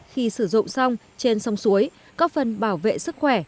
khi sử dụng xong trên sông suối có phần bảo vệ sức khỏe